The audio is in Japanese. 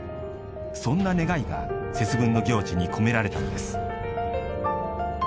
そんな願いが節分の行事に込められたのです。